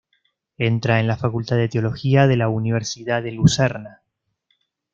Entra en la facultad de teología de la Universidad de Lucerna.